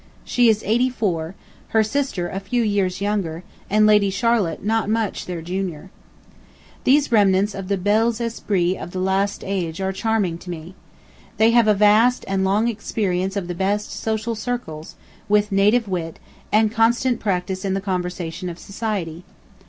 She is eighty four, her sister a few years younger, and Lady Charlotte not much their junior. These remnants of the belles esprits of the last age are charming to me. They have a vast and long experience of the best social circles, with native wit, and constant practice in the conversation of society.